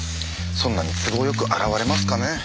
そんなに都合よく現れますかねぇ？